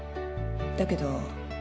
だけど。